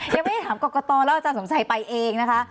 ยังไม่ได้ถามกรกตแล้วอาจารย์สมชัยไปเองนะคะ